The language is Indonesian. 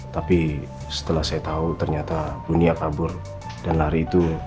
tapi setelah saya tahu ternyata dunia kabur dan lari itu